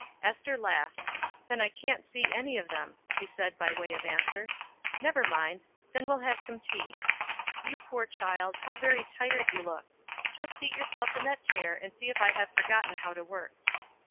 Ester laughed. "Then I can't see any of them," she said by way of answer. "Never mind, then we'll have some tea. You poor child, how very tired you look. Just seat yourself in that chair, and see if I have forgotten how to work."